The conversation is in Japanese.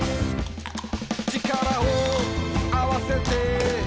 「力をあわせて」